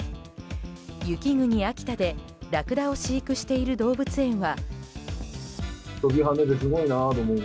雪国・秋田でラクダを飼育している動物園は。